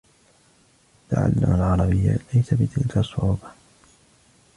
تعلّم العربيّة ليس بتلك الصعوبة.